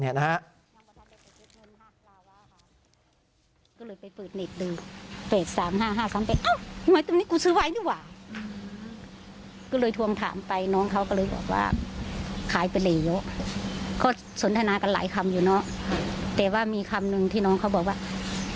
อ้าวก็ยังไม่มาจ่ายเลยนะคำให้ข่าวซื่อเซ็นจ์